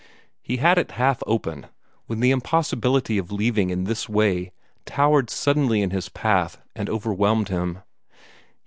He had it half open, when the impossibility of leaving in this way towered suddenly in his path and overwhelmed him.